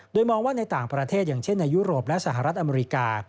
โดยมองว่าในต่างประเทศอย่างเช่นในยุโรปและสหรัฐอเมริกา